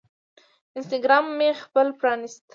انسټاګرام مې خپل راپرانیست